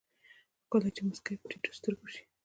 ښکلے چې مسکې په ټيټو سترګو شي